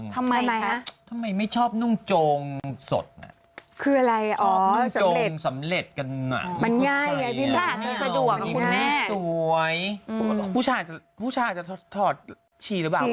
ทำไมไม่ชอบนุ่มโจงสดคืออะไรอ๋อสำเร็จกันมันง่ายสวยผู้ชายผู้ชายจะถอดฉี่หรือเปล่า